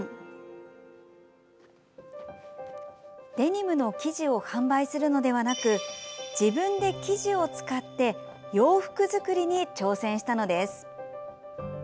デニムの生地を販売するのではなく自分で生地を使って洋服作りに挑戦したのです。